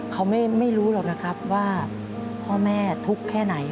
เขาไม่รู้หรอกนะครับว่าพ่อแม่ทุกข์แค่ไหน